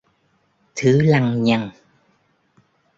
thứ lăng nhăng